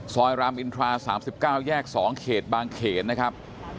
ซอยลำอินทรา๒๐๑๙แยก๒เขตมากเผนนะครับ